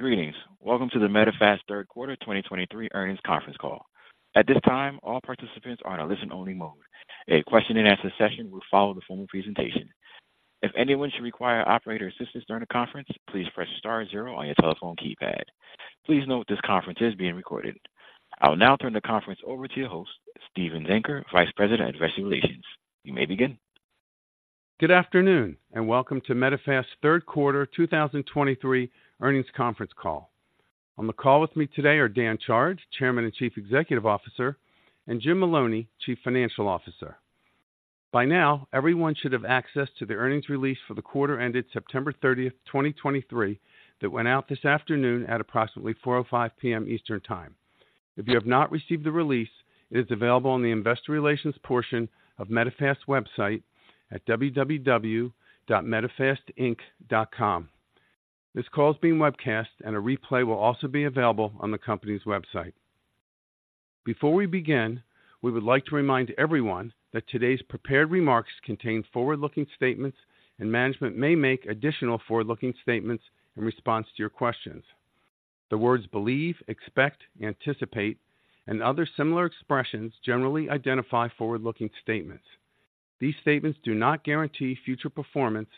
Greetings. Welcome to the Medifast Third Quarter 2023 Earnings Conference Call. At this time, all participants are in a listen-only mode. A question-and-answer session will follow the formal presentation. If anyone should require operator assistance during the conference, please press star zero on your telephone keypad. Please note this conference is being recorded. I will now turn the conference over to your host, Steven Zenker, Vice President of Investor Relations. You may begin. Good afternoon, and welcome to Medifast's Third Quarter 2023 Earnings Conference Call. On the call with me today are Dan Chard, Chairman and Chief Executive Officer, and Jim Maloney, Chief Financial Officer. By now, everyone should have access to the earnings release for the quarter ended September 30th, 2023, that went out this afternoon at approximately 4:05 P.M. Eastern Time. If you have not received the release, it is available on the investor relations portion of Medifast's website at www.medifastinc.com. This call is being webcast, and a replay will also be available on the company's website. Before we begin, we would like to remind everyone that today's prepared remarks contain forward-looking statements, and management may make additional forward-looking statements in response to your questions. The words believe, expect, anticipate, and other similar expressions generally identify forward-looking statements. These statements do not guarantee future performance,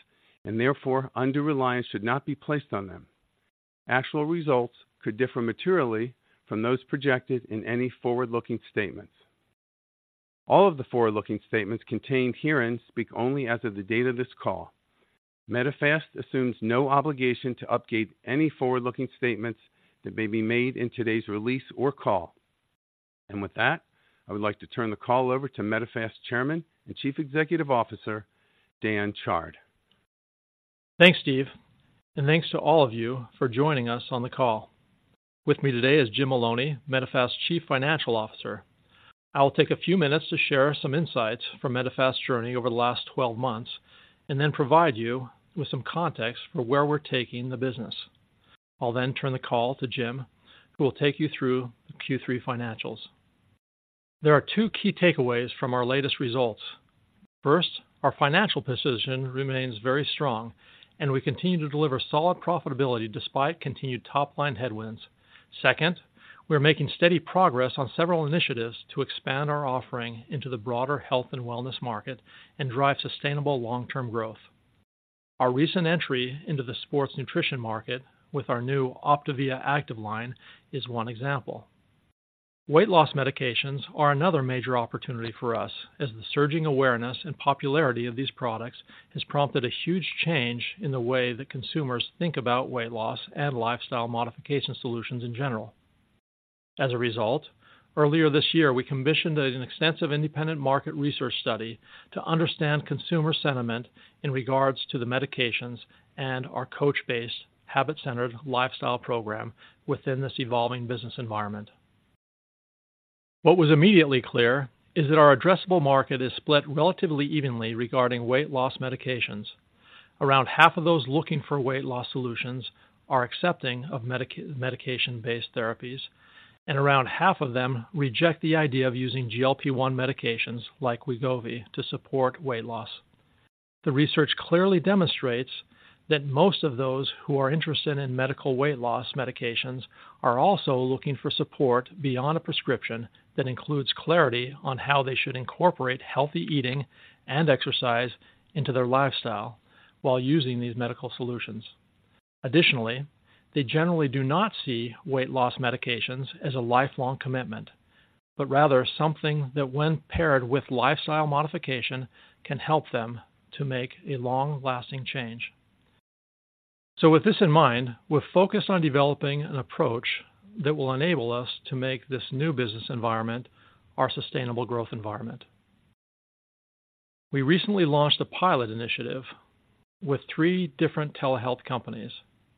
and therefore, undue reliance should not be placed on them. Actual results could differ materially from those projected in any forward-looking statements. All of the forward-looking statements contained herein speak only as of the date of this call. Medifast assumes no obligation to update any forward-looking statements that may be made in today's release or call. With that, I would like to turn the call over to Medifast Chairman and Chief Executive Officer, Dan Chard. Thanks, Steve, and thanks to all of you for joining us on the call. With me today is Jim Maloney, Medifast's Chief Financial Officer. I will take a few minutes to share some insights from Medifast's journey over the last 12 months, and then provide you with some context for where we're taking the business. I'll then turn the call to Jim, who will take you through the Q3 financials. There are 2 key takeaways from our latest results. First, our financial position remains very strong, and we continue to deliver solid profitability despite continued top-line headwinds. Second, we're making steady progress on several initiatives to expand our offering into the broader health and wellness market and drive sustainable long-term growth. Our recent entry into the sports nutrition market with our new OPTAVIA Active line is one example. Weight loss medications are another major opportunity for us, as the surging awareness and popularity of these products has prompted a huge change in the way that consumers think about weight loss and lifestyle modification solutions in general. As a result, earlier this year, we commissioned an extensive independent market research study to understand consumer sentiment in regards to the medications and our coach-based, habit-centered lifestyle program within this evolving business environment. What was immediately clear is that our addressable market is split relatively evenly regarding weight loss medications. Around half of those looking for weight loss solutions are accepting of medication-based therapies, and around half of them reject the idea of using GLP-1 medications like Wegovy to support weight loss. The research clearly demonstrates that most of those who are interested in medical weight loss medications are also looking for support beyond a prescription that includes clarity on how they should incorporate healthy eating and exercise into their lifestyle while using these medical solutions. Additionally, they generally do not see weight loss medications as a lifelong commitment, but rather something that, when paired with lifestyle modification, can help them to make a long-lasting change. So with this in mind, we're focused on developing an approach that will enable us to make this new business environment our sustainable growth environment. We recently launched a pilot initiative with three different telehealth companies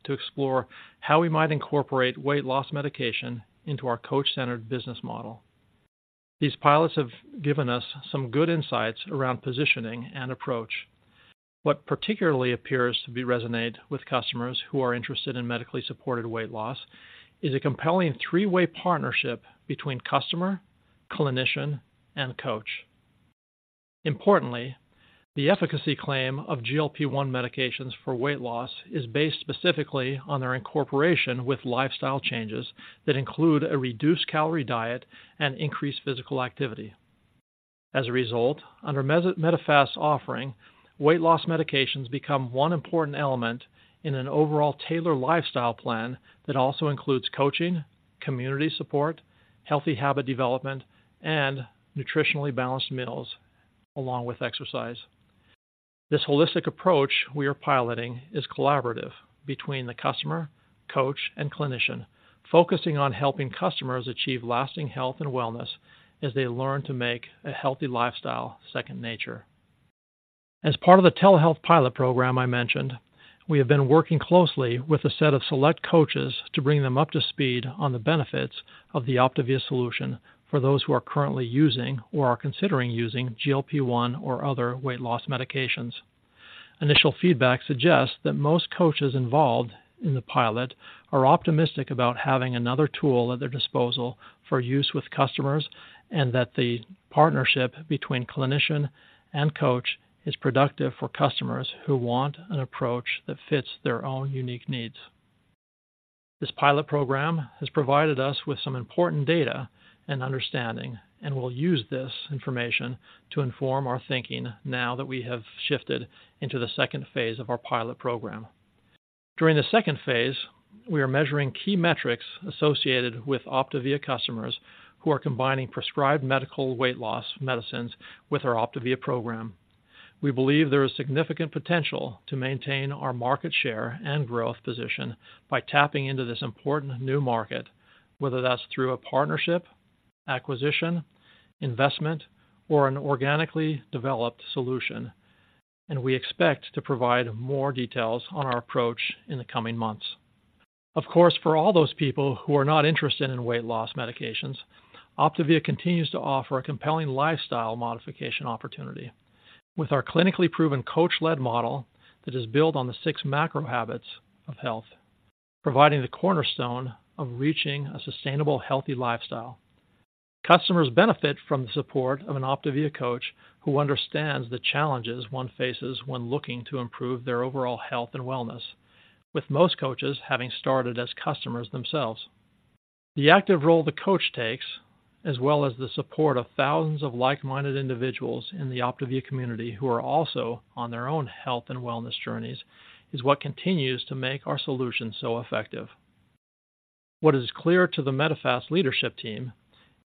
to explore how we might incorporate weight loss medication into our coach-centered business model. These pilots have given us some good insights around positioning and approach. What particularly appears to be resonate with customers who are interested in medically supported weight loss is a compelling three-way partnership between customer, clinician, and coach. Importantly, the efficacy claim of GLP-1 medications for weight loss is based specifically on their incorporation with lifestyle changes that include a reduced-calorie diet and increased physical activity. As a result, under Medifast's offering, weight loss medications become one important element in an overall tailored lifestyle plan that also includes coaching, community support, healthy habit development, and nutritionally balanced meals along with exercise. This holistic approach we are piloting is collaborative between the customer, coach, and clinician, focusing on helping customers achieve lasting health and wellness as they learn to make a healthy lifestyle second nature. As part of the telehealth pilot program I mentioned, we have been working closely with a set of select coaches to bring them up to speed on the benefits of the OPTAVIA solution for those who are currently using or are considering using GLP-1 or other weight loss medications. Initial feedback suggests that most coaches involved in the pilot are optimistic about having another tool at their disposal for use with customers, and that the partnership between clinician and coach is productive for customers who want an approach that fits their own unique needs... This pilot program has provided us with some important data and understanding, and we'll use this information to inform our thinking now that we have shifted into the second phase of our pilot program. During the second phase, we are measuring key metrics associated with OPTAVIA customers who are combining prescribed medical weight loss medicines with our OPTAVIA program. We believe there is significant potential to maintain our market share and growth position by tapping into this important new market, whether that's through a partnership, acquisition, investment, or an organically developed solution, and we expect to provide more details on our approach in the coming months. Of course, for all those people who are not interested in weight loss medications, OPTAVIA continues to offer a compelling lifestyle modification opportunity with our clinically proven coach-led model that is built on the six macro habits of health, providing the cornerstone of reaching a sustainable, healthy lifestyle. Customers benefit from the support of an OPTAVIA coach who understands the challenges one faces when looking to improve their overall health and wellness, with most coaches having started as customers themselves. The active role the coach takes, as well as the support of thousands of like-minded individuals in the OPTAVIA community who are also on their own health and wellness journeys, is what continues to make our solution so effective. What is clear to the Medifast leadership team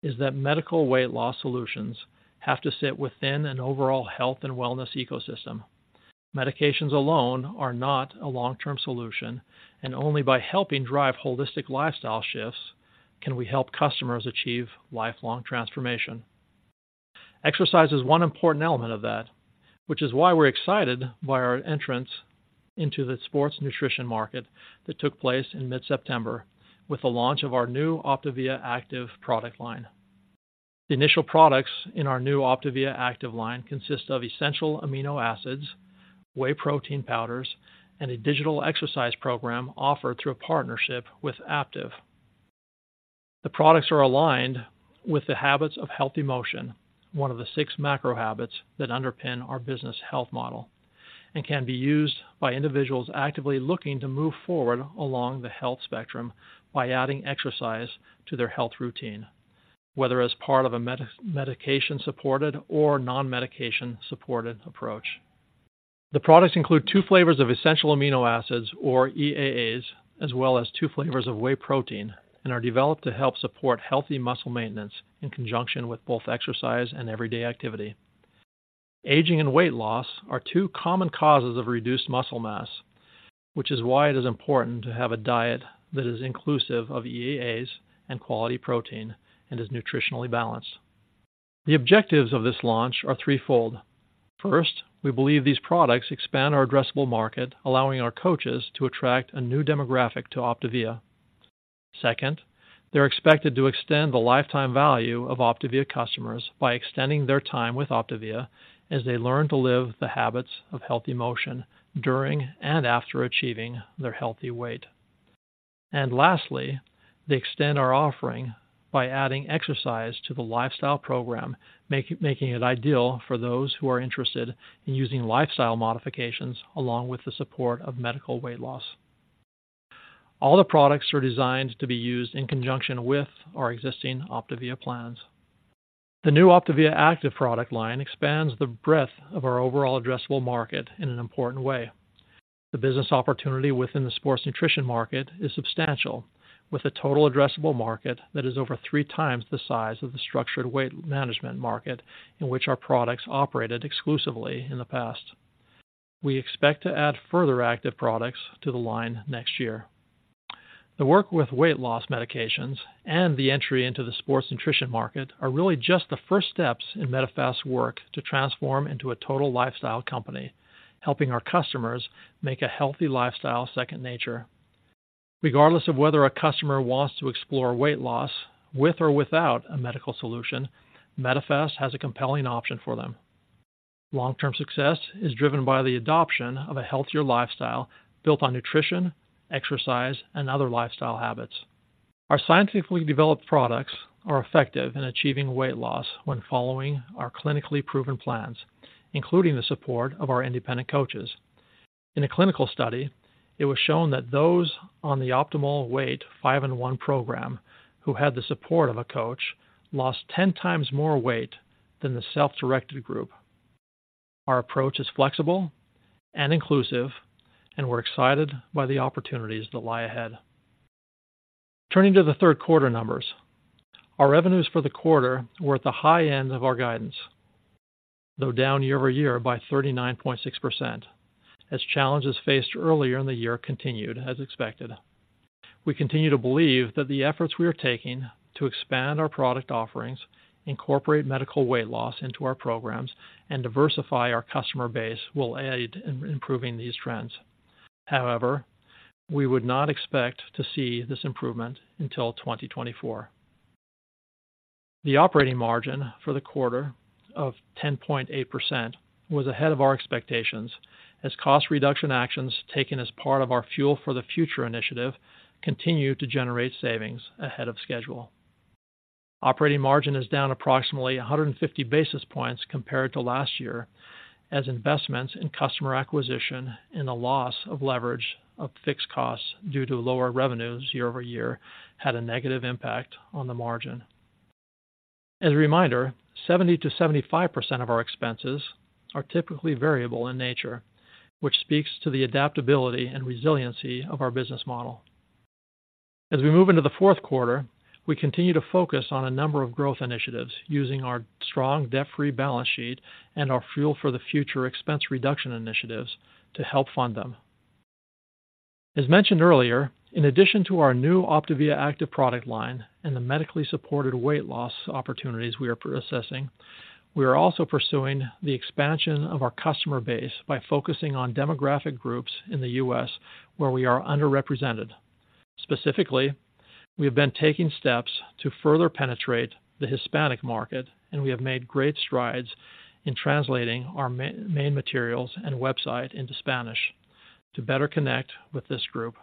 is that medical weight loss solutions have to sit within an overall health and wellness ecosystem. Medications alone are not a long-term solution, and only by helping drive holistic lifestyle shifts can we help customers achieve lifelong transformation. Exercise is one important element of that, which is why we're excited by our entrance into the sports nutrition market that took place in mid-September with the launch of our new OPTAVIA Active product line. The initial products in our new OPTAVIA Active line consist of essential amino acids, whey protein powders, and a digital exercise program offered through a partnership with Active. The products are aligned with the Habits of Healthy Motion, one of the six macro habits that underpin our business health model, and can be used by individuals actively looking to move forward along the health spectrum by adding exercise to their health routine, whether as part of a medication supported or non-medication supported approach. The products include two flavors of essential amino acids or EAAs, as well as two flavors of whey protein, and are developed to help support healthy muscle maintenance in conjunction with both exercise and everyday activity. Aging and weight loss are two common causes of reduced muscle mass, which is why it is important to have a diet that is inclusive of EAAs and quality protein and is nutritionally balanced. The objectives of this launch are threefold. First, we believe these products expand our addressable market, allowing our coaches to attract a new demographic to OPTAVIA. Second, they're expected to extend the lifetime value of OPTAVIA customers by extending their time with OPTAVIA as they learn to live the Habits of Healthy Motion during and after achieving their healthy weight. And lastly, they extend our offering by adding exercise to the lifestyle program, making it ideal for those who are interested in using lifestyle modifications along with the support of medical weight loss. All the products are designed to be used in conjunction with our existing OPTAVIA plans. The new OPTAVIA Active product line expands the breadth of our overall addressable market in an important way. The business opportunity within the sports nutrition market is substantial, with a total addressable market that is over three times the size of the structured weight management market in which our products operated exclusively in the past. We expect to add further Active products to the line next year. The work with weight loss medications and the entry into the sports nutrition market are really just the first steps in Medifast's work to transform into a total lifestyle company, helping our customers make a healthy lifestyle second nature. Regardless of whether a customer wants to explore weight loss with or without a medical solution, Medifast has a compelling option for them. Long-term success is driven by the adoption of a healthier lifestyle built on nutrition, exercise, and other lifestyle habits. Our scientifically developed products are effective in achieving weight loss when following our clinically proven plans, including the support of our independent coaches. In a clinical study, it was shown that those on the Optimal Weight 5 & 1 program who had the support of a coach lost 10 times more weight than the self-directed group. Our approach is flexible and inclusive, and we're excited by the opportunities that lie ahead. Turning to the third quarter numbers, our revenues for the quarter were at the high end of our guidance, though down year-over-year by 39.6%, as challenges faced earlier in the year continued as expected. We continue to believe that the efforts we are taking to expand our product offerings, incorporate medical weight loss into our programs, and diversify our customer base will aid in improving these trends. However, we would not expect to see this improvement until 2024. The operating margin for the quarter of 10.8% was ahead of our expectations, as cost reduction actions taken as part of our Fuel for the Future initiative continued to generate savings ahead of schedule. Operating margin is down approximately 150 basis points compared to last year, as investments in customer acquisition and the loss of leverage of fixed costs due to lower revenues year-over-year had a negative impact on the margin. As a reminder, 70%-75% of our expenses are typically variable in nature, which speaks to the adaptability and resiliency of our business model. As we move into the fourth quarter, we continue to focus on a number of growth initiatives using our strong debt-free balance sheet and our Fuel for the Future expense reduction initiatives to help fund them. As mentioned earlier, in addition to our new OPTAVIA Active product line and the medically supported weight loss opportunities we are processing, we are also pursuing the expansion of our customer base by focusing on demographic groups in the U.S. where we are underrepresented. Specifically, we have been taking steps to further penetrate the Hispanic market, and we have made great strides in translating our main materials and website into Spanish to better connect with this group.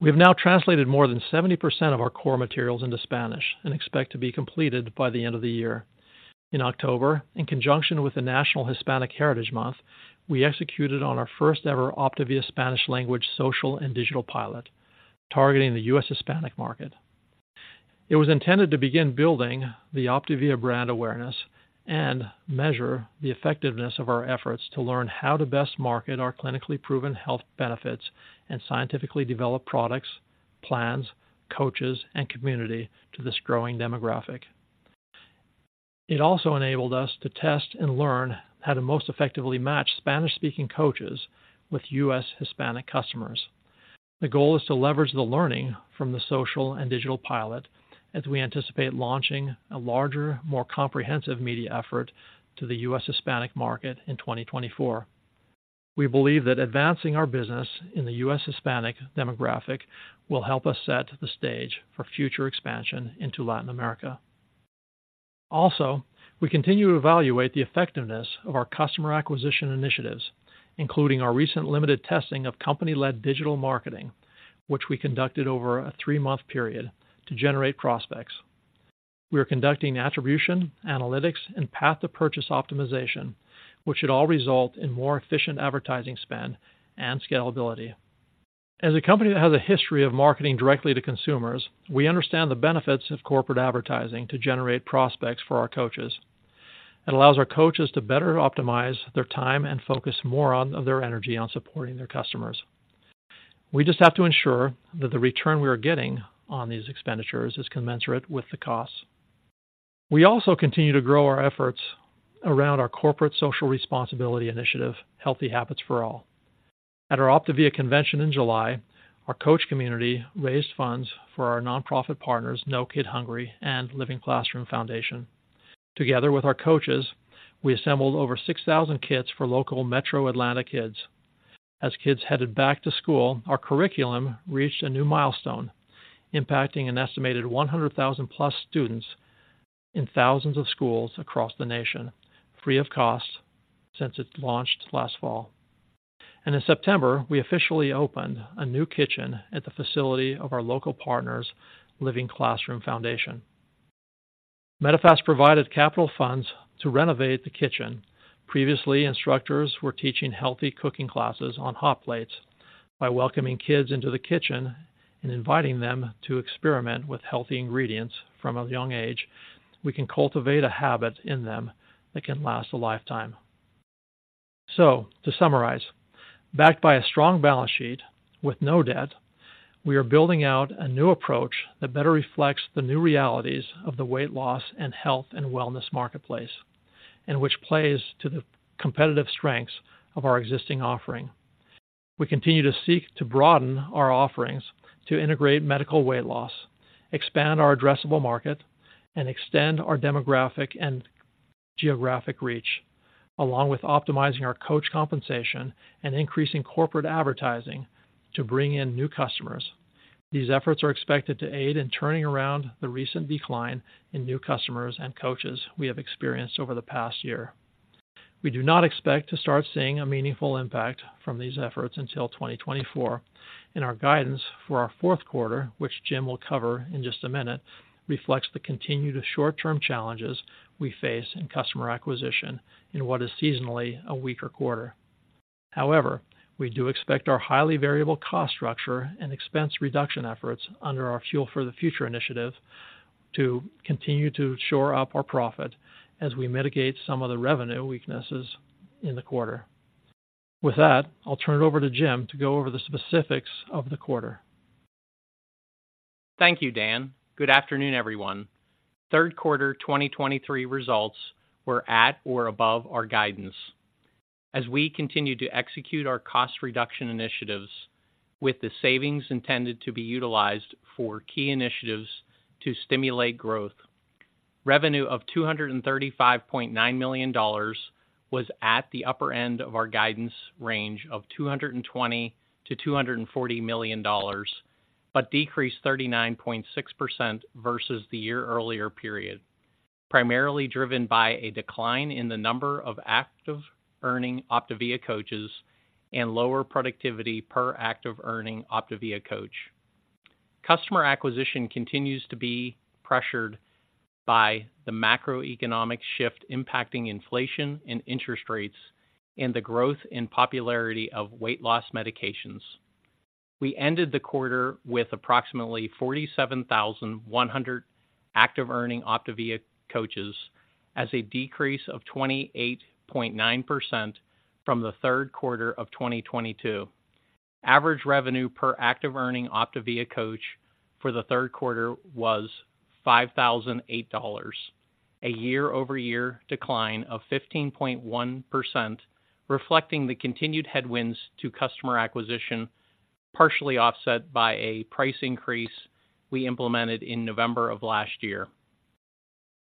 We've now translated more than 70% of our core materials into Spanish and expect to be completed by the end of the year. In October, in conjunction with the National Hispanic Heritage Month, we executed on our first-ever OPTAVIA Spanish language social and digital pilot, targeting the U.S. Hispanic market. It was intended to begin building the OPTAVIA brand awareness and measure the effectiveness of our efforts to learn how to best market our clinically proven health benefits and scientifically develop products, plans, coaches, and community to this growing demographic. It also enabled us to test and learn how to most effectively match Spanish-speaking coaches with U.S. Hispanic customers. The goal is to leverage the learning from the social and digital pilot as we anticipate launching a larger, more comprehensive media effort to the U.S. Hispanic market in 2024. We believe that advancing our business in the U.S. Hispanic demographic will help us set the stage for future expansion into Latin America. Also, we continue to evaluate the effectiveness of our customer acquisition initiatives, including our recent limited testing of company-led digital marketing, which we conducted over a three-month period to generate prospects. We are conducting attribution, analytics, and path-to-purchase optimization, which should all result in more efficient advertising spend and scalability. As a company that has a history of marketing directly to consumers, we understand the benefits of corporate advertising to generate prospects for our coaches. It allows our coaches to better optimize their time and focus more on, of their energy on supporting their customers. We just have to ensure that the return we are getting on these expenditures is commensurate with the costs. We also continue to grow our efforts around our corporate social responsibility initiative, Healthy Habits For All. At our OPTAVIA convention in July, our coach community raised funds for our nonprofit partners, No Kid Hungry and Living Classrooms Foundation. Together with our coaches, we assembled over 6,000 kits for local metro Atlanta kids. As kids headed back to school, our curriculum reached a new milestone, impacting an estimated 100,000+ students in thousands of schools across the nation, free of cost since it launched last fall. In September, we officially opened a new kitchen at the facility of our local partners, Living Classrooms Foundation. Medifast provided capital funds to renovate the kitchen. Previously, instructors were teaching healthy cooking classes on hot plates. By welcoming kids into the kitchen and inviting them to experiment with healthy ingredients from a young age, we can cultivate a habit in them that can last a lifetime. To summarize, backed by a strong balance sheet with no debt, we are building out a new approach that better reflects the new realities of the weight loss and health and wellness marketplace, and which plays to the competitive strengths of our existing offering. We continue to seek to broaden our offerings to integrate medical weight loss, expand our addressable market, and extend our demographic and geographic reach, along with optimizing our coach compensation and increasing corporate advertising to bring in new customers. These efforts are expected to aid in turning around the recent decline in new customers and coaches we have experienced over the past year. We do not expect to start seeing a meaningful impact from these efforts until 2024, and our guidance for our fourth quarter, which Jim will cover in just a minute, reflects the continued short-term challenges we face in customer acquisition in what is seasonally a weaker quarter. However, we do expect our highly variable cost structure and expense reduction efforts under our Fuel for the Future initiative to continue to shore up our profit as we mitigate some of the revenue weaknesses in the quarter. With that, I'll turn it over to Jim to go over the specifics of the quarter. Thank you, Dan. Good afternoon, everyone. Third quarter 2023 results were at or above our guidance as we continued to execute our cost reduction initiatives, with the savings intended to be utilized for key initiatives to stimulate growth. Revenue of $235.9 million was at the upper end of our guidance range of $220 million-$240 million, but decreased 39.6% versus the year earlier period, primarily driven by a decline in the number of Active Earning OPTAVIA Coaches and lower productivity per Active Earning OPTAVIA Coach. Customer acquisition continues to be pressured by the macroeconomic shift, impacting inflation and interest rates and the growth in popularity of weight loss medications. We ended the quarter with approximately 47,100 Active Earning OPTAVIA Coaches, a decrease of 28.9% from the third quarter of 2022. Average revenue per Active Earning OPTAVIA Coach for the third quarter was $5,008, a year-over-year decline of 15.1%, reflecting the continued headwinds to customer acquisition, partially offset by a price increase we implemented in November of last year.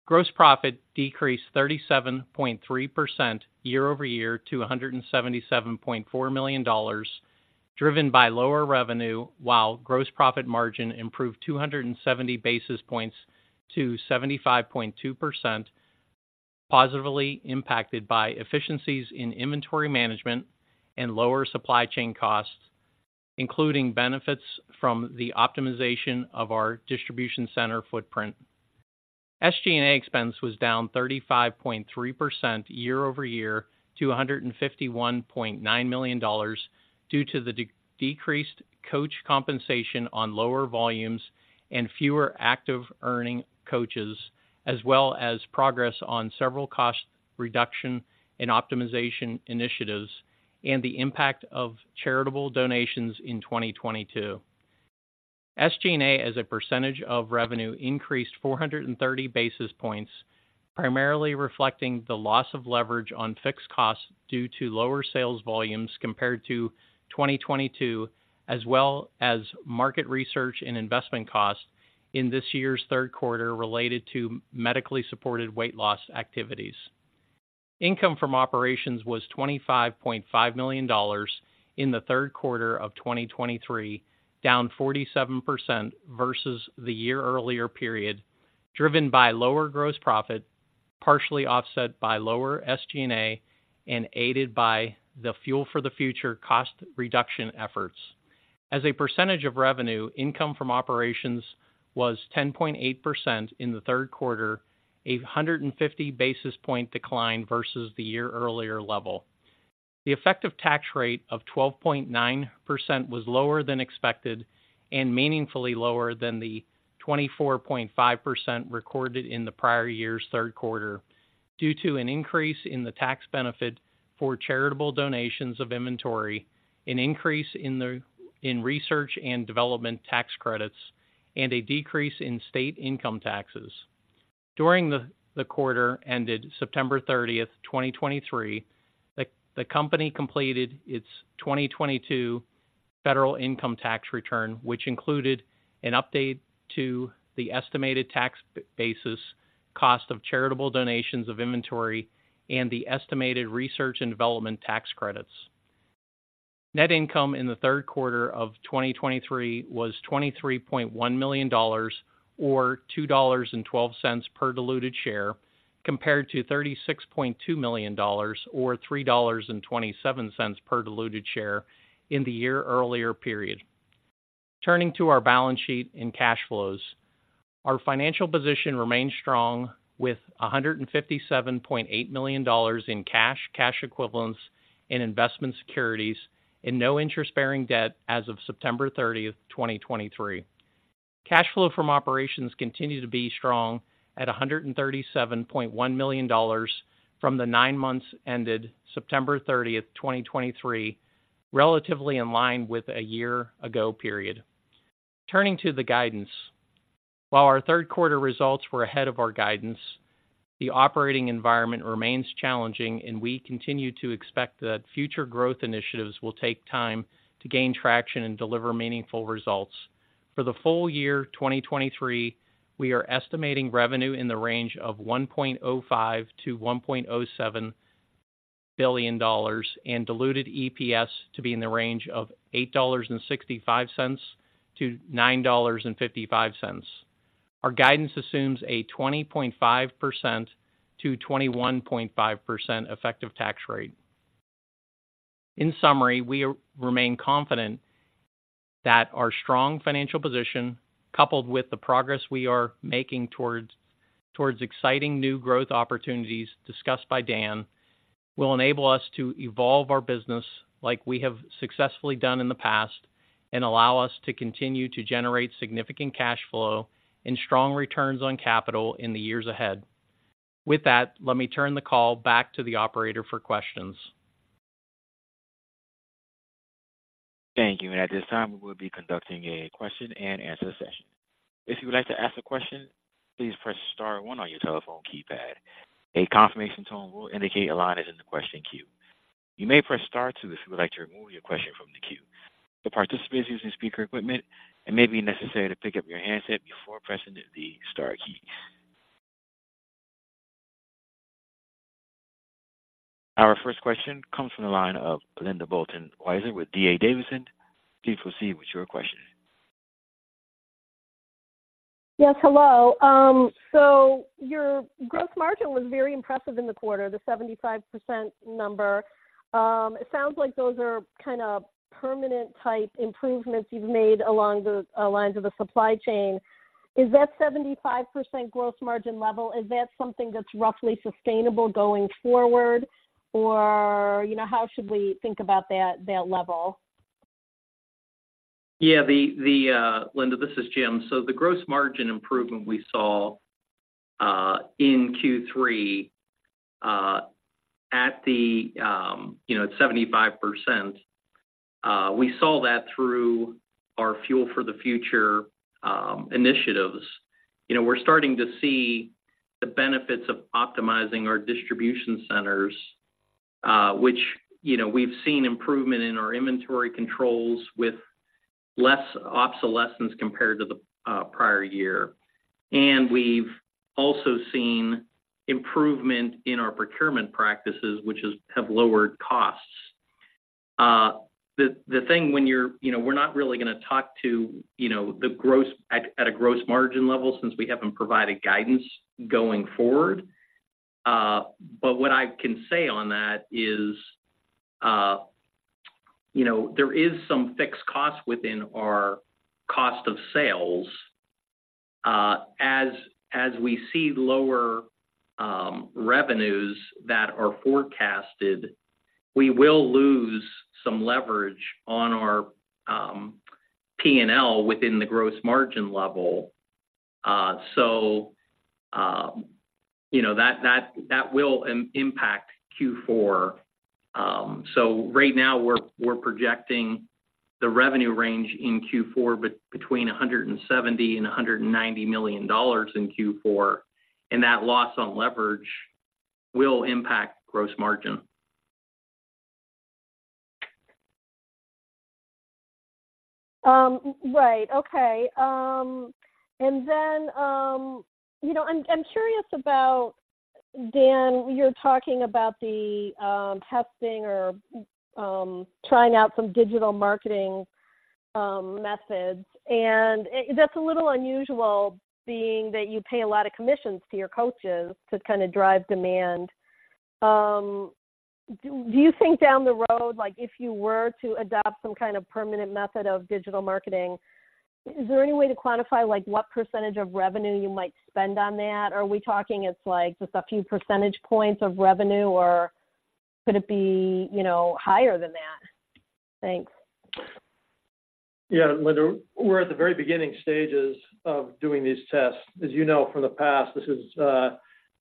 Gross profit decreased 37.3% year-over-year to $177.4 million, driven by lower revenue, while gross profit margin improved 270 basis points to 75.2%, positively impacted by efficiencies in inventory management and lower supply chain costs, including benefits from the optimization of our distribution center footprint. SG&A expense was down 35.3% year-over-year to $151.9 million, due to the decreased coach compensation on lower volumes and fewer Active Earning Coaches, as well as progress on several cost reduction and optimization initiatives and the impact of charitable donations in 2022. SG&A, as a percentage of revenue, increased 430 basis points, primarily reflecting the loss of leverage on fixed costs due to lower sales volumes compared to 2022, as well as market research and investment costs in this year's third quarter related to medically supported weight loss activities. Income from operations was $25.5 million in the third quarter of 2023, down 47% versus the year earlier period, driven by lower gross profit, partially offset by lower SG&A and aided by the Fuel for the Future cost reduction efforts. As a percentage of revenue, income from operations was 10.8% in the third quarter, a 150 basis point decline versus the year earlier level. The effective tax rate of 12.9% was lower than expected and meaningfully lower than the 24.5% recorded in the prior year's third quarter, due to an increase in the tax benefit for charitable donations of inventory, an increase in research and development tax credits, and a decrease in state income taxes. During the quarter ended September 30th, 2023, the company completed its 2022 federal income tax return, which included an update to the estimated tax basis, cost of charitable donations of inventory, and the estimated research and development tax credits. Net income in the third quarter of 2023 was $23.1 million or $2.12 per diluted share, compared to $36.2 million or $3.27 per diluted share in the year-earlier period. Turning to our balance sheet and cash flows. Our financial position remains strong, with $157.8 million in cash, cash equivalents, and investment securities, and no interest-bearing debt as of September 30th, 2023. Cash flow from operations continued to be strong at $137.1 million from the nine months ended September 30th, 2023, relatively in line with a year-ago period. Turning to the guidance. While our third quarter results were ahead of our guidance, the operating environment remains challenging, and we continue to expect that future growth initiatives will take time to gain traction and deliver meaningful results. For the full year 2023, we are estimating revenue in the range of $1.05 billion-$1.07 billion and diluted EPS to be in the range of $8.65-$9.55. Our guidance assumes a 20.5%-21.5% effective tax rate. In summary, we remain confident that our strong financial position, coupled with the progress we are making towards exciting new growth opportunities discussed by Dan, will enable us to evolve our business like we have successfully done in the past and allow us to continue to generate significant cash flow and strong returns on capital in the years ahead. With that, let me turn the call back to the operator for questions. Thank you. At this time, we will be conducting a question-and-answer session. If you would like to ask a question, please press star one on your telephone keypad. A confirmation tone will indicate your line is in the question queue. You may press star two if you would like to remove your question from the queue. For participants using speaker equipment, it may be necessary to pick up your handset before pressing the star key. Our first question comes from the line of Linda Bolton Weiser with D.A. Davidson. Please proceed with your question. Yes, hello. So your gross margin was very impressive in the quarter, the 75% number. It sounds like those are kind of permanent type improvements you've made along the lines of the supply chain. Is that 75% gross margin level, is that something that's roughly sustainable going forward? Or, you know, how should we think about that, that level? Yeah, Linda, this is Jim. So the gross margin improvement we saw in Q3 at 75%, we saw that through our Fuel for the Future initiatives. You know, we're starting to see the benefits of optimizing our distribution centers, which, you know, we've seen improvement in our inventory controls with less obsolescence compared to the prior year. And we've also seen improvement in our procurement practices, which is, have lowered costs. The thing when you're—you know, we're not really going to talk to the gross at a gross margin level since we haven't provided guidance going forward. But what I can say on that is, you know, there is some fixed cost within our cost of sales. As we see lower revenues that are forecasted, we will lose some leverage on our P&L within the gross margin level. So, you know, that will impact Q4. So right now we're projecting the revenue range in Q4 between $170 million and $190 million in Q4, and that loss on leverage will impact gross margin. Right. Okay. And then, you know, I'm curious about, Dan, you're talking about the testing or trying out some digital marketing methods, and that's a little unusual, being that you pay a lot of commissions to your coaches to kind of drive demand. Do you think down the road, like, if you were to adopt some kind of permanent method of digital marketing, is there any way to quantify, like, what percentage of revenue you might spend on that? Are we talking it's like just a few percentage points of revenue, or could it be, you know, higher than that? Thanks. Yeah, Linda, we're at the very beginning stages of doing these tests. As you know from the past, this is,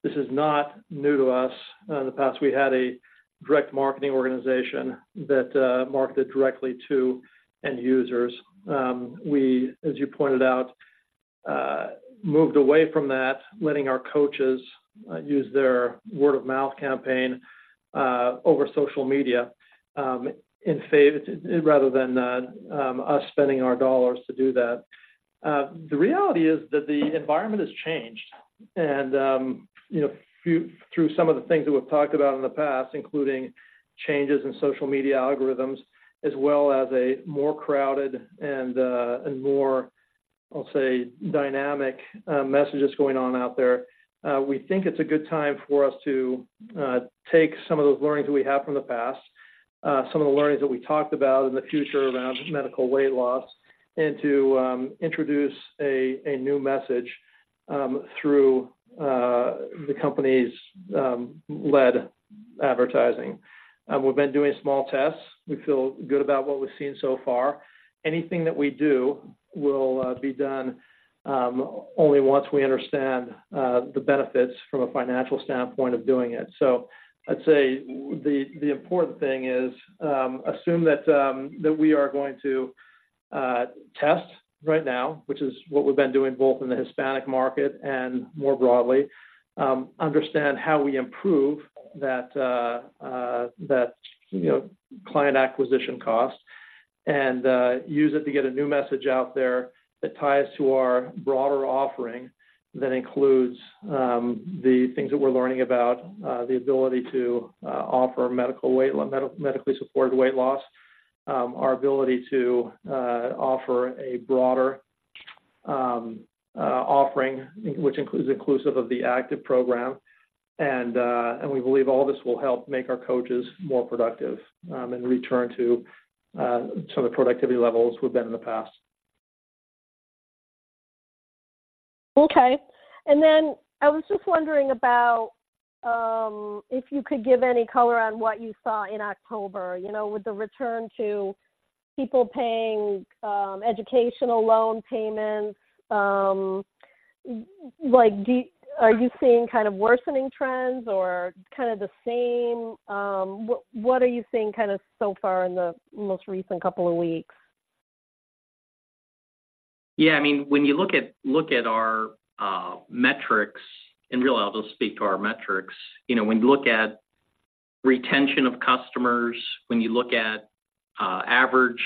this is not new to us. In the past, we had a direct marketing organization that marketed directly to end users. We, as you pointed out, moved away from that, letting our coaches use their word-of-mouth campaign over social media, rather than us spending our dollars to do that. The reality is that the environment has changed. You know, through some of the things that we've talked about in the past, including changes in social media algorithms, as well as a more crowded and more, I'll say, dynamic messages going on out there, we think it's a good time for us to take some of those learnings that we have from the past, some of the learnings that we talked about in the future around medical weight loss, and to introduce a new message through the company's lead advertising. We've been doing small tests. We feel good about what we've seen so far. Anything that we do will be done only once we understand the benefits from a financial standpoint of doing it. So I'd say the important thing is assume that we are going to test right now, which is what we've been doing both in the Hispanic market and more broadly. Understand how we improve that you know client acquisition cost, and use it to get a new message out there that ties to our broader offering, that includes the things that we're learning about the ability to offer medically supported weight loss, our ability to offer a broader offering, which includes inclusive of the Active program. And we believe all this will help make our coaches more productive and return to some of the productivity levels we've been in the past. Okay. And then I was just wondering about if you could give any color on what you saw in October, you know, with the return to people paying educational loan payments. Like, are you seeing kind of worsening trends or kind of the same? What are you seeing kind of so far in the most recent couple of weeks? Yeah, I mean, when you look at, look at our metrics. In real, I'll just speak to our metrics. You know, when you look at retention of customers, when you look at average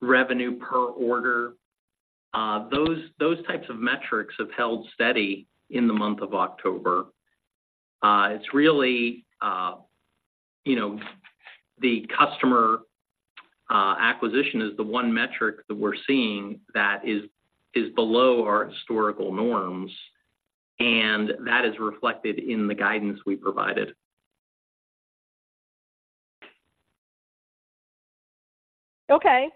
revenue per order. Those types of metrics have held steady in the month of October. It's really, you know, the customer acquisition is the one metric that we're seeing that is below our historical norms, and that is reflected in the guidance we provided. Okay.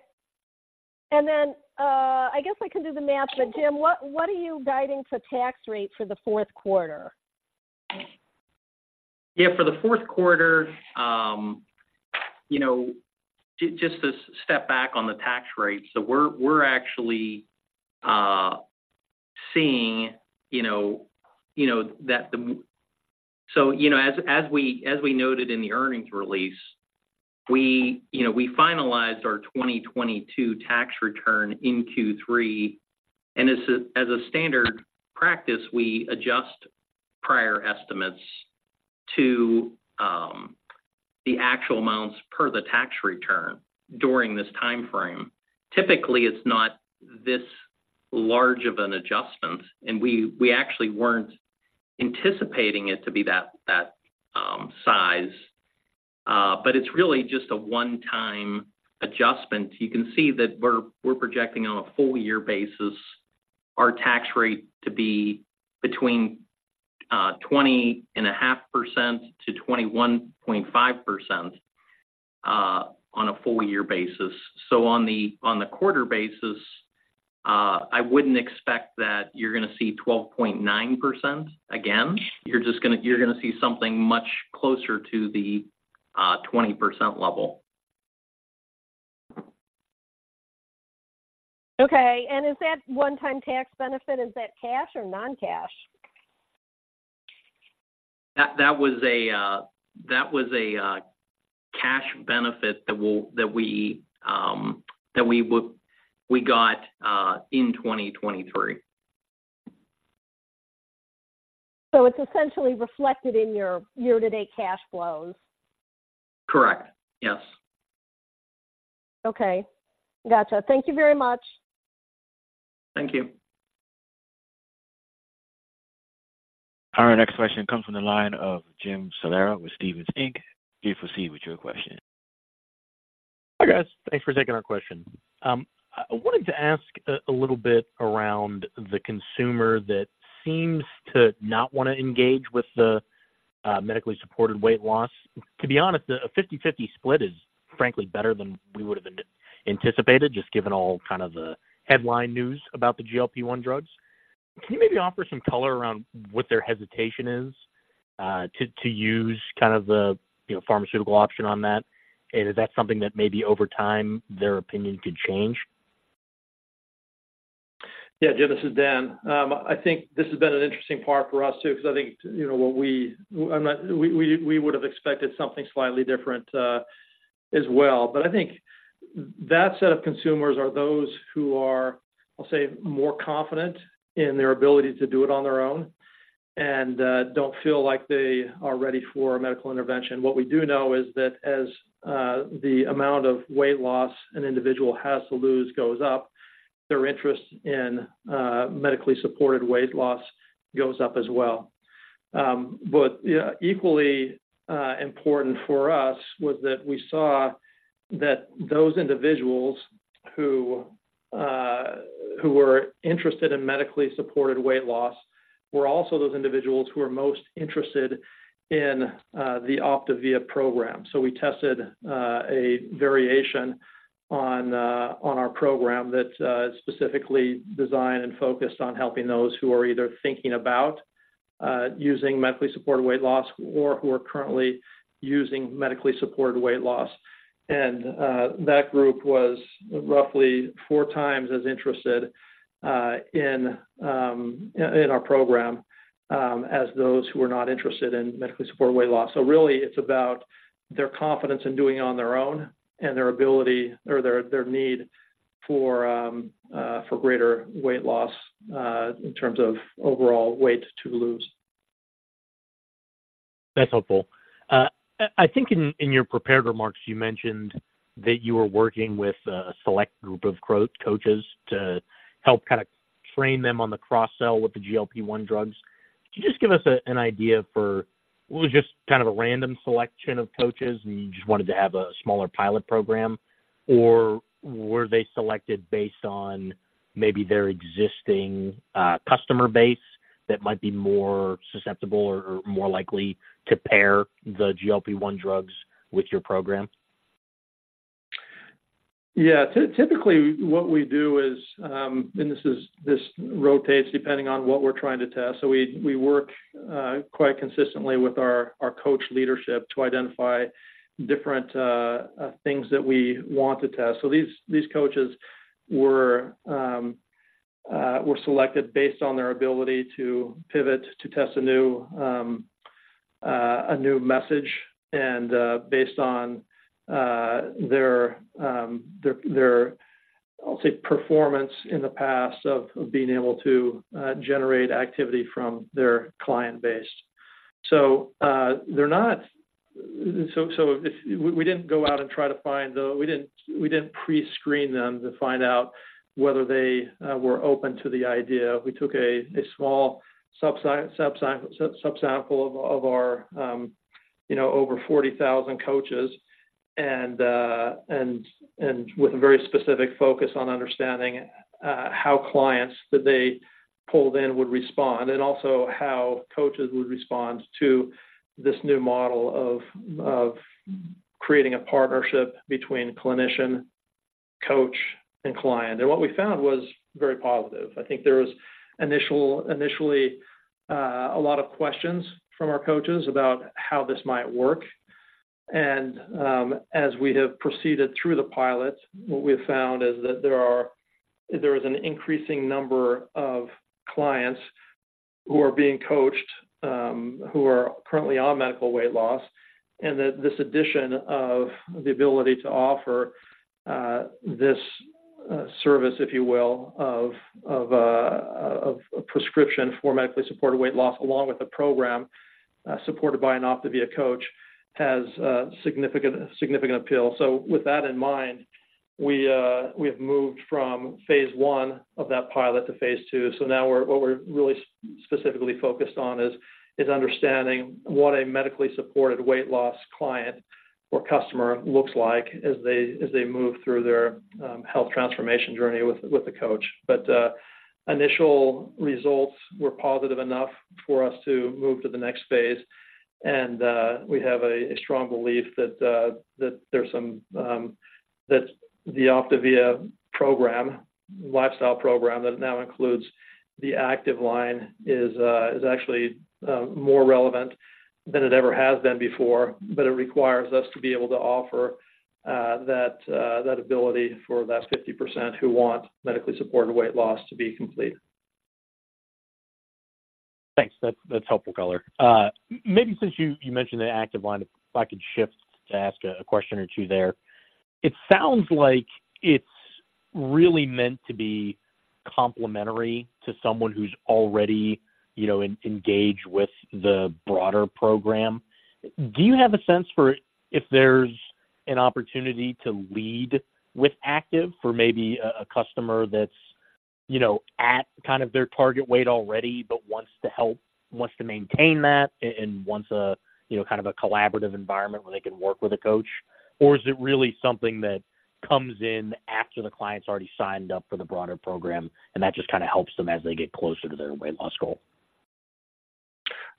And then, I guess I can do the math, but Jim, what are you guiding to tax rate for the fourth quarter? Yeah, for the fourth quarter, you know, just to step back on the tax rate. So we're, we're actually seeing, you know, you know, that. So, you know, as, as we, as we noted in the earnings release, we, you know, we finalized our 2022 tax return in Q3, and as a, as a standard practice, we adjust prior estimates to the actual amounts per the tax return during this time frame. Typically, it's not this large of an adjustment, and we, we actually weren't anticipating it to be that, that size, but it's really just a one-time adjustment. You can see that we're, we're projecting on a full year basis, our tax rate to be between 20.5% to 21.5%, on a full year basis. So on the quarter basis, I wouldn't expect that you're going to see 12.9% again. You're just gonna— You're going to see something much closer to the 20% level. Okay. And is that one-time tax benefit, is that cash or non-cash? That was a cash benefit that we got in 2023. It's essentially reflected in your year-to-date cash flows? Correct. Yes. Okay. Got you. Thank you very much. Thank you. All right, next question comes from the line of Jim Salera with Stephens Inc. Please proceed with your question. Hi, guys. Thanks for taking our question. I wanted to ask a little bit around the consumer that seems to not want to engage with the medically supported weight loss. To be honest, a 50/50 split is frankly better than we would have anticipated, just given all kind of the headline news about the GLP-1 drugs. Can you maybe offer some color around what their hesitation is to use kind of the, you know, pharmaceutical option on that? And is that something that maybe over time, their opinion could change? Yeah, Jim, this is Dan. I think this has been an interesting part for us, too, because I think, you know, what we would have expected something slightly different, as well. But I think that set of consumers are those who are, I'll say, more confident in their ability to do it on their own and don't feel like they are ready for a medical intervention. What we do know is that as the amount of weight loss an individual has to lose goes up, their interest in medically supported weight loss goes up as well. But, yeah, equally important for us was that we saw that those individuals who were interested in medically supported weight loss were also those individuals who are most interested in the OPTAVIA program. So we tested a variation on our program that specifically designed and focused on helping those who are either thinking about using medically supported weight loss or who are currently using medically supported weight loss. And that group was roughly four times as interested in our program as those who were not interested in medically supported weight loss. So really, it's about their confidence in doing it on their own and their ability or their need for greater weight loss in terms of overall weight to lose. That's helpful. I think in your prepared remarks, you mentioned that you were working with a select group of coaches to help kind of train them on the cross-sell with the GLP-1 drugs. Could you just give us an idea for, was it just kind of a random selection of coaches, and you just wanted to have a smaller pilot program? Or were they selected based on maybe their existing customer base that might be more susceptible or more likely to pair the GLP-1 drugs with your program? Yeah. Typically, what we do is, and this is, this rotates depending on what we're trying to test. So we work quite consistently with our coach leadership to identify different things that we want to test. So these coaches were selected based on their ability to pivot, to test a new message and based on their, I'll say, performance in the past of being able to generate activity from their client base. So, they're not. So we didn't go out and try to find the. We didn't pre-screen them to find out whether they were open to the idea. We took a small subsample of our, you know, over 40,000 coaches, and with a very specific focus on understanding how clients that they pulled in would respond, and also how coaches would respond to this new model of creating a partnership between clinician, coach, and client. What we found was very positive. I think there was initially a lot of questions from our coaches about how this might work. As we have proceeded through the pilot, what we have found is that there is an increasing number of clients who are being coached, who are currently on medical weight loss, and that this addition of the ability to offer this service, if you will, of prescription for medically supported weight loss, along with a program supported by an OPTAVIA coach, has significant appeal. So with that in mind, we have moved from phase one of that pilot to phase two. So now, what we're really specifically focused on is understanding what a medically supported weight loss client or customer looks like as they move through their health transformation journey with a coach. But initial results were positive enough for us to move to the next phase. We have a strong belief that the OPTAVIA program, lifestyle program, that now includes the Active line, is actually more relevant than it ever has been before. But it requires us to be able to offer that ability for that 50% who want medically supported weight loss to be complete. Thanks. That's, that's helpful color. Maybe since you mentioned the Active line, if I could shift to ask a question or two there. It sounds like it's really meant to be complementary to someone who's already, you know, engaged with the broader program. Do you have a sense for if there's an opportunity to lead with Active for maybe a customer that's, you know, at kind of their target weight already, but wants to maintain that and wants a, you know, kind of a collaborative environment where they can work with a coach? Or is it really something that comes in after the client's already signed up for the broader program, and that just kind of helps them as they get closer to their weight loss goal?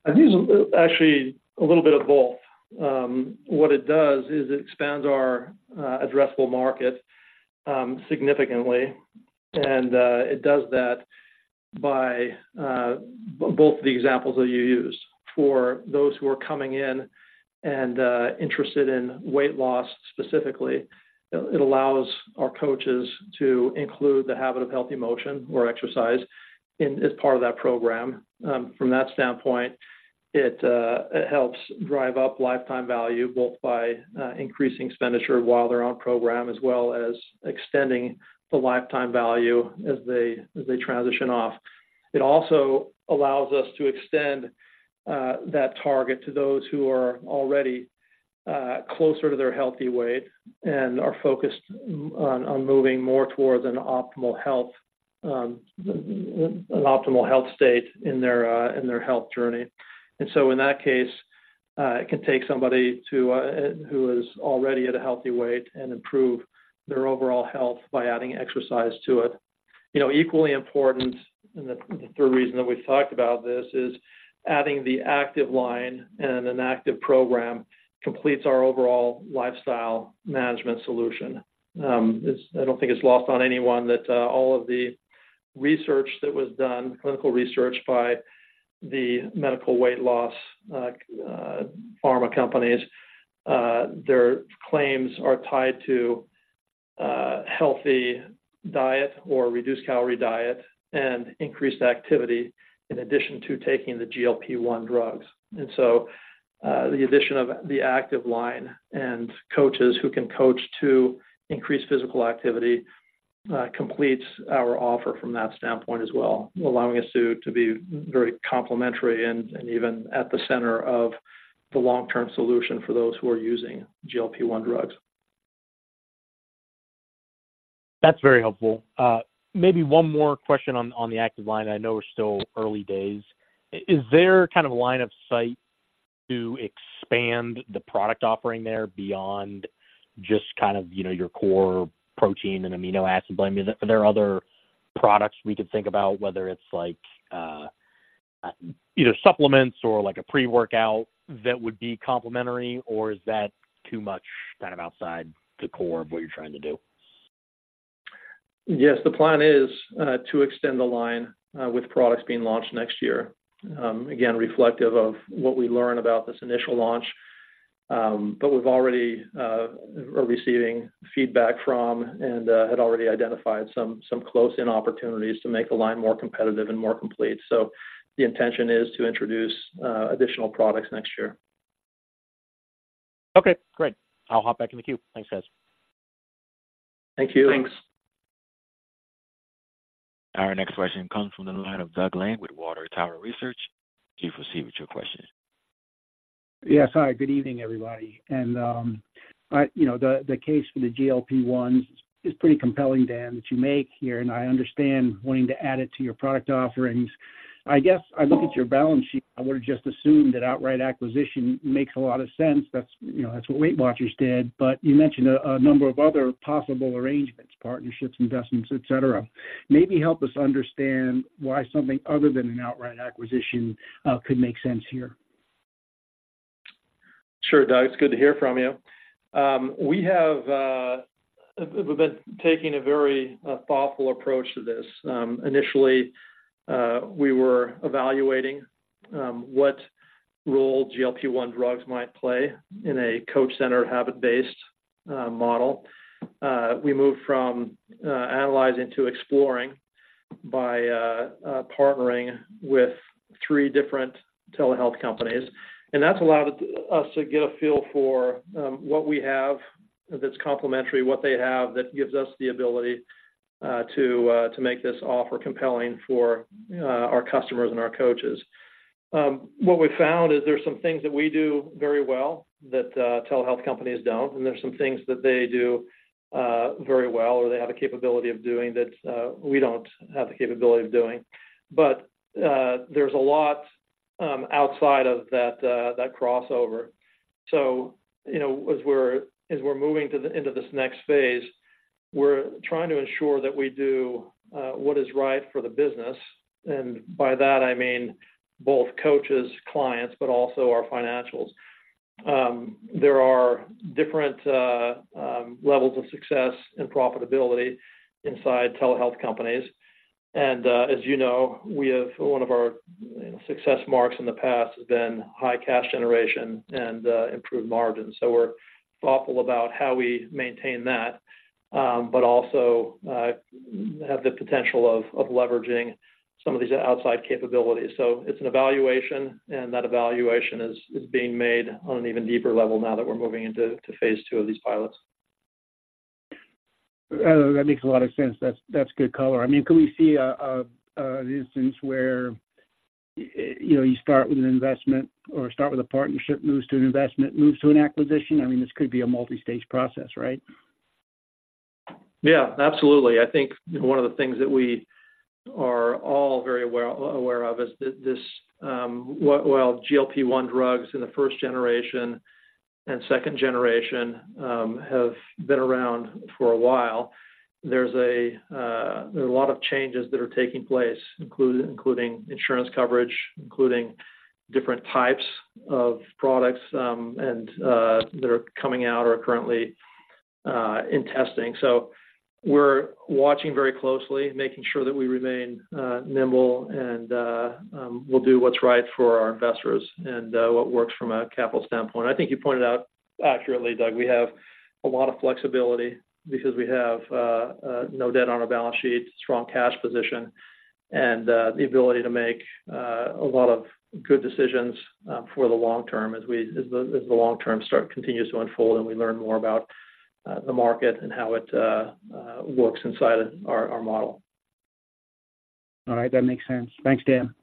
I think it's actually a little bit of both. What it does is it expands our addressable market significantly, and it does that by both the examples that you used. For those who are coming in and interested in weight loss specifically, it allows our coaches to include the Habit of Healthy Motion or exercise as part of that program. From that standpoint, it helps drive up lifetime value, both by increasing expenditure while they're on program, as well as extending the lifetime value as they transition off. It also allows us to extend that target to those who are already closer to their healthy weight and are focused on moving more towards an optimal health state in their health journey. And so in that case, it can take somebody who is already at a healthy weight and improve their overall health by adding exercise to it. You know, equally important, and the third reason that we've talked about this, is adding the Active line and an Active program completes our overall lifestyle management solution. It's I don't think it's lost on anyone that all of the research that was done, clinical research by the medical weight loss pharma companies, their claims are tied to healthy diet or reduced calorie diet and increased activity, in addition to taking the GLP-1 drugs. The addition of the Active line and coaches who can coach to increase physical activity completes our offer from that standpoint as well, allowing us to be very complementary and even at the center of the long-term solution for those who are using GLP-1 drugs. That's very helpful. Maybe one more question on the Active line, I know it's still early days. Is there kind of a line of sight to expand the product offering there beyond just kind of, you know, your core protein and amino acid? I mean, are there other products we could think about, whether it's like, either supplements or like a pre-workout that would be complementary, or is that too much kind of outside the core of what you're trying to do? Yes, the plan is to extend the line with products being launched next year. Again, reflective of what we learn about this initial launch. But we've already are receiving feedback from and had already identified some close-in opportunities to make the line more competitive and more complete. So the intention is to introduce additional products next year. Okay, great. I'll hop back in the queue. Thanks, guys. Thank you. Thanks. Our next question comes from the line of Doug Lane with Water Tower Research. Please proceed with your question. Yes. Hi, good evening, everybody. And, you know, the case for the GLP-1 is pretty compelling, Dan, that you make here, and I understand wanting to add it to your product offerings. I guess I look at your balance sheet, I would have just assumed that outright acquisition makes a lot of sense. That's, you know, that's what Weight Watchers did. But you mentioned a number of other possible arrangements, partnerships, investments, etc. Maybe help us understand why something other than an outright acquisition could make sense here. Sure, Doug, it's good to hear from you. We have, we've been taking a very thoughtful approach to this. Initially, we were evaluating what role GLP-1 drugs might play in a coach-centered, habit-based model. We moved from analyzing to exploring by partnering with three different telehealth companies, and that's allowed us to get a feel for what we have that's complementary, what they have, that gives us the ability to make this offer compelling for our customers and our coaches. What we found is there are some things that we do very well that telehealth companies don't, and there's some things that they do very well, or they have a capability of doing that we don't have the capability of doing. But, there's a lot outside of that crossover. So, you know, as we're moving into this next phase, we're trying to ensure that we do what is right for the business, and by that, I mean both coaches, clients, but also our financials. There are different levels of success and profitability inside telehealth companies. And, as you know, we have... One of our success marks in the past has been high cash generation and improved margins, so we're thoughtful about how we maintain that, but also have the potential of leveraging some of these outside capabilities. So it's an evaluation, and that evaluation is being made on an even deeper level now that we're moving into phase two of these pilots. That makes a lot of sense. That's good color. I mean, can we see an instance where, you know, you start with an investment or start with a partnership, moves to an investment, moves to an acquisition? I mean, this could be a multi-stage process, right? Yeah, absolutely. I think one of the things that we are all very well aware of is that this, well, GLP-1 drugs in the first generation and second generation have been around for a while. There are a lot of changes that are taking place, including insurance coverage, including different types of products, and that are coming out or are currently in testing. So we're watching very closely, making sure that we remain nimble and we'll do what's right for our investors and what works from a capital standpoint. I think you pointed out accurately, Doug. We have a lot of flexibility because we have no debt on our balance sheet, strong cash position, and the ability to make a lot of good decisions for the long term as the long term start continues to unfold and we learn more about the market and how it works inside our model. All right. That makes sense. Thanks, Dan.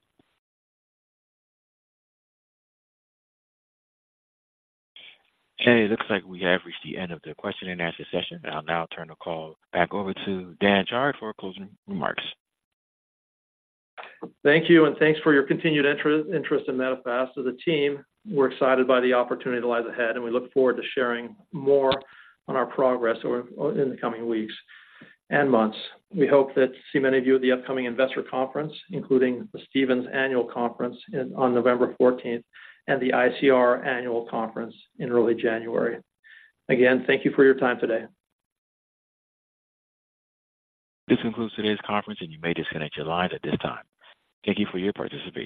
Okay, it looks like we have reached the end of the question and answer session. I'll now turn the call back over to Dan Chard for closing remarks. Thank you, and thanks for your continued interest in Medifast. So the team, we're excited by the opportunity that lies ahead, and we look forward to sharing more on our progress in the coming weeks and months. We hope to see many of you at the upcoming investor conference, including the Stephens Annual Conference on November 14th, 2023 and the ICR Annual Conference in early January. Again, thank you for your time today. This concludes today's conference, and you may disconnect your lines at this time. Thank you for your participation.